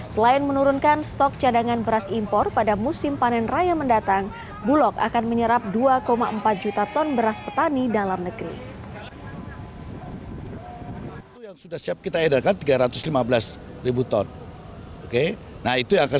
selain menurunkan beras impor beras pemerintah juga akan menurunkan beras impor